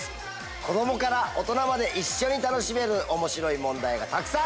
子供から大人まで一緒に楽しめる面白い問題がたくさん。